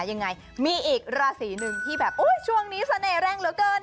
ยังไงมีอีกราศีหนึ่งที่แบบโอ้ยช่วงนี้เสน่ห์แรงเหลือเกิน